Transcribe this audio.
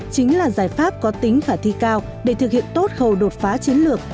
chính là giải pháp có tính khả thi cao để thực hiện tốt khẩu đột phá chiến lược